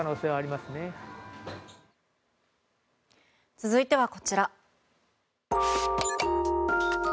続いてはこちら。